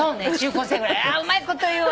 うまいこと言うわ。